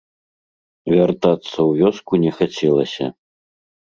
Вяртацца ў вёску не хацелася.